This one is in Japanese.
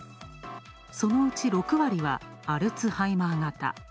そのうち６割はアルツハイマー型。